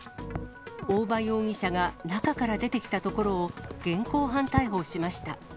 大場容疑者が、中から出てきたところを現行犯逮捕しました。